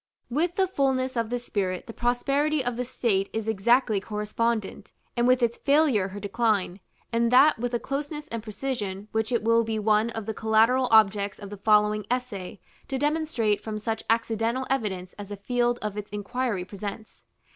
With the fulness of this spirit the prosperity of the state is exactly correspondent, and with its failure her decline, and that with a closeness and precision which it will be one of the collateral objects of the following essay to demonstrate from such accidental evidence as the field of its inquiry presents.